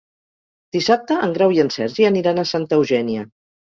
Dissabte en Grau i en Sergi aniran a Santa Eugènia.